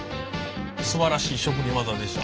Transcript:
すばらしい職人技でした。